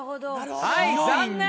はい残念。